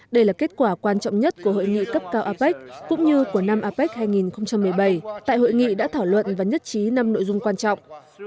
đây là kết quả quan trọng nhất của hội nghị cấp cao apec cũng như của năm apec hai nghìn một mươi bảy tại hội nghị đã thảo luận và nhất trí năm nội dung quan trọng